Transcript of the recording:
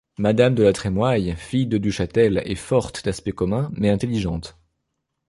Madame de la Trémoille, fille de Duchâtel, est forte, d'aspect commun, mais intelligente.